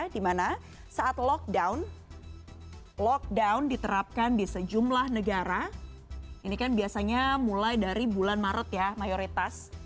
dimana saat lockdown lockdown diterapkan di sejumlah negara ini kan biasanya mulai dari bulan maret ya mayoritas